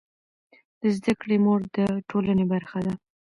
د زده کړې مور د ټولنې برخه ده.